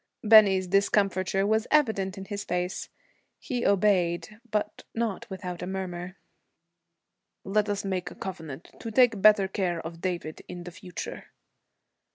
Bennie's discomfiture was evident in his face. He obeyed, but not without a murmur. 'Let us make a covenant to take better care of David in the future.'